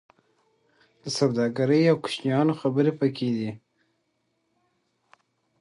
د سوداګرۍ او کوچیانو خبرې پکې دي.